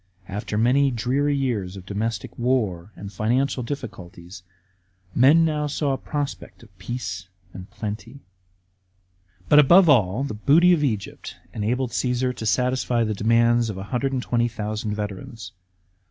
After many dreary years of domestic war and financial difficulties, men now saw a prospect of peace and plenty. But, above all, the booty of Egypt enabled Csesar to satisfy the demands of 120,000 veterans.